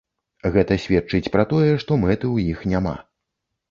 Гэта сведчыць пра тое, што мэты ў іх няма.